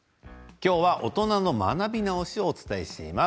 今日は大人の学び直しをお伝えしています。